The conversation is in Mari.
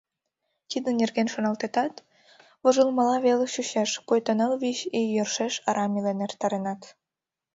Тидын нерген шоналтетат, вожылмыла веле чучеш, пуйто ныл-вич ий йӧршеш арам илен эртаренат.